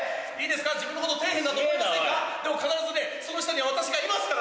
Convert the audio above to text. でも必ずねその下には私がいますからね。